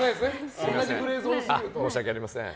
申し訳ありません。